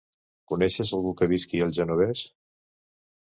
Coneixes algú que visqui al Genovés?